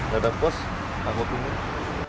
gak ada pos aku pilih